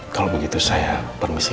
kalau begitu saya permisi